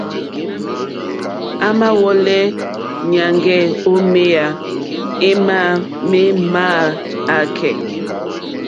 A mà wɔ̀lɛ̀nɛ̀ nyàŋgɛ̀ o meya ema me ma akɛ̀ɛ̀.